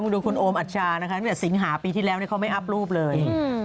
ดูคุณโอมอัชชานะคะตั้งแต่สิงหาปีที่แล้วเขาไม่อัพรูปเลย